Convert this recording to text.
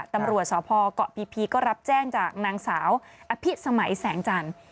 ตำรวจสพเกาะพีก็รับแจ้งจากนางสาวอภิสมัยแสงจันทร์